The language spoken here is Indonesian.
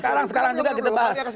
sekarang sekarang juga kita bahas